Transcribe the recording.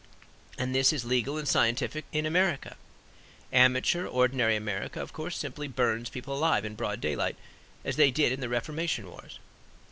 And this is legal and scientific in America. Amateur ordinary America, of course, simply burns people alive in broad daylight, as they did in the Reformation Wars.